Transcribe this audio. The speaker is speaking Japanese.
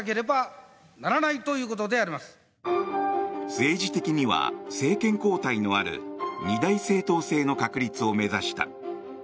政治的には政権交代のある二大政党制の確立を目指した。